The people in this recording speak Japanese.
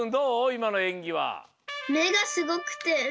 いまのえんぎは。